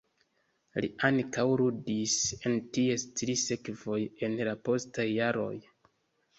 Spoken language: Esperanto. Li ankaŭ ludis en ties tri sekvoj en la postaj jaroj.